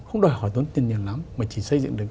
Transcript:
không đòi hỏi tốn tiền nhà lắm mà chỉ xây dựng được